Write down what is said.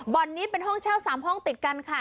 นี้เป็นห้องเช่า๓ห้องติดกันค่ะ